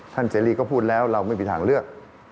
เสรีก็พูดแล้วเราไม่มีทางเลือก